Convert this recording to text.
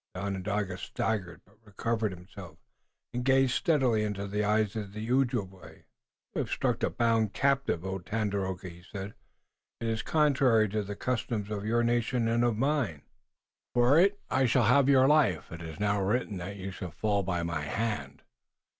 The Onondaga staggered, but recovered himself, and gazed steadily into the eyes of the Ojibway. "You have struck a bound captive, O Tandakora," he said. "It is contrary to the customs of your nation and of mine, and for it I shall have your life. It is now written that you shall fall by my hand."